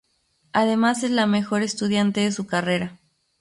Además, es la mejor estudiante de su carrera.